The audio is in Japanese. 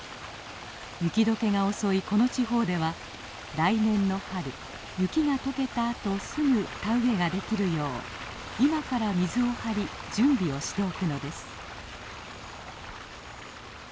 雪解けが遅いこの地方では来年の春雪が解けたあとすぐ田植えができるよう今から水を張り準備をしておくのです。